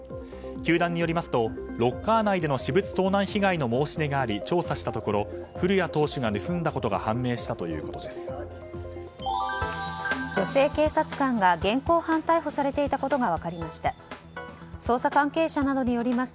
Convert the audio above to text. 球団によりますとロッカー内での私物盗難被害の申し出があり調査したところ古谷投手が盗んだことが判明したということです。